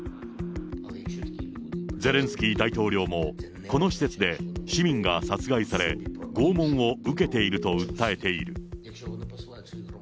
ゼレンスキー大統領も、この施設で、市民が殺害され、拷問を受けていると訴えている。